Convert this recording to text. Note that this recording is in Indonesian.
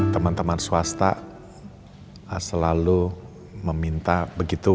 teman teman swasta selalu meminta begitu